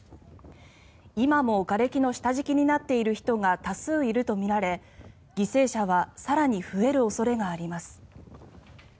今もがれきの下敷きになっている人が多数いるとみられ犠牲者は更に増える恐れがあります。